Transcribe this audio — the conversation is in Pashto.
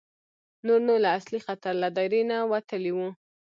نور نو له اصلي خطر له دایرې نه وتلي وو.